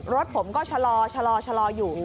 รถผมก็ชะลออยู่